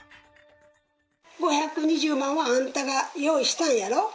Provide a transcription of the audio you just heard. ５２０万はあんたが用意したんやろう。